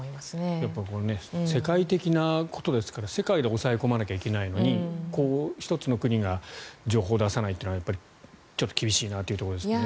やっぱり世界的なことですから世界で抑え込まなきゃいけないのに１つの国が情報を出さないというのはちょっと厳しいなというところですよね。